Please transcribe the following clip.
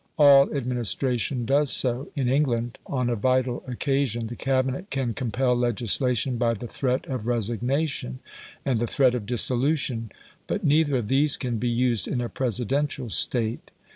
All administration does so. In England, on a vital occasion, the Cabinet can compel legislation by the threat of resignation, and the threat of dissolution; but neither of these can be used in a Presidential State.